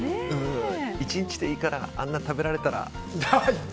１日でいいからあんなに食べられたら。